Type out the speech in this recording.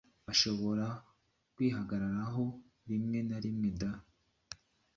ashobora kwihagararaho rimwe narimwe da